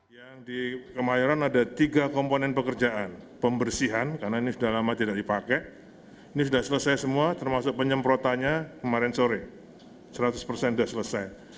yang di kemayoran ada tiga komponen pekerjaan pembersihan karena ini sudah lama tidak dipakai ini sudah selesai semua termasuk penyemprotannya kemarin sore seratus persen sudah selesai